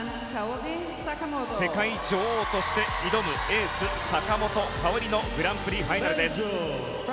世界女王として挑むエース、坂本花織のグランプリファイナルです。